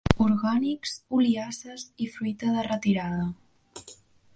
Orgànics, Oliasses i Fruita de retirada.